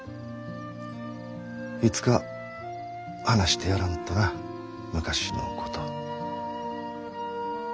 いつか話してやらんとな昔のこと。